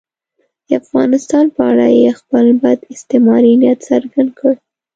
د افغانستان په اړه یې خپل بد استعماري نیت څرګند کړ.